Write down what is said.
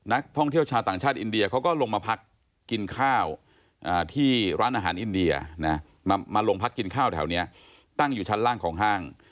นักท่องเที่ยวชาวต่างชาติอินเดียเขาก็ลงมาพักกินข้าวที่ร้านอาหารอินเดียนะมาลงพักกินข้าวแถวนี้ตั้งอยู่ชั้นล่างของห้าง